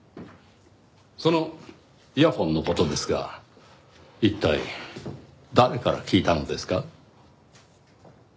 そのイヤフォンの事ですが一体誰から聞いたのですか？